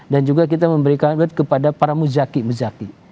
dan juga kita memberikan award kepada para mujaki mujaki